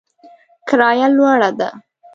کرایه لوړه ده